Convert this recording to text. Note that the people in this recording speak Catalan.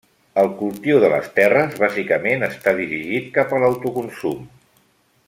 El cultiu de les terres, bàsicament està dirigit cap a l'autoconsum.